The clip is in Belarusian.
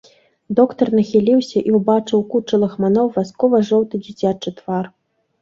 Доктар нахіліўся і ўбачыў у кучы лахманоў васкова-жоўты дзіцячы твар.